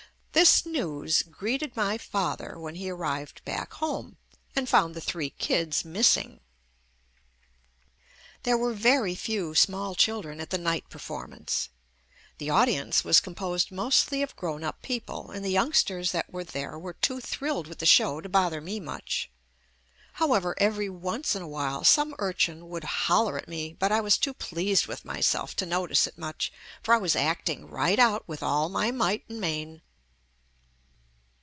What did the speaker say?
This news greeted my father when he arrived back home and found the three kids missing. There were very few small children at the night performance. The audience was com posed mostly of grown up .people, and the youngsters that were there were too thrilled with the show to bother me much. However, every once in a while some urchin would holler at me, but I was too pleased with myself to f36] JUST ME notice it much, for I was acting right out with all my might and main.